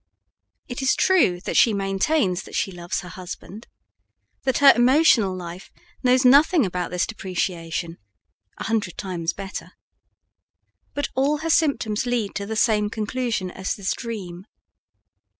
It is true that she maintains that she loves her husband, that her emotional life knows nothing about this depreciation (a hundred times better!), but all her symptoms lead to the same conclusion as this dream.